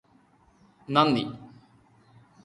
നന്ദി